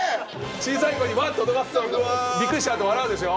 小さい子にワッ！って脅かすとびっくりしちゃうと笑うでしょ。